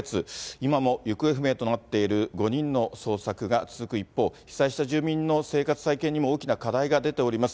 今も行方不明となっている５人の捜索が続く一方、被災した住民の生活再建にも、大きな課題が出ております。